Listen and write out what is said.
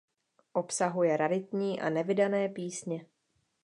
Obsahuje raritní a nevydané písně.